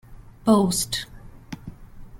Post.